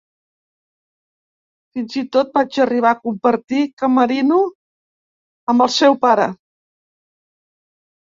Fins i tot vaig arribar a compartir camerino amb el seu pare.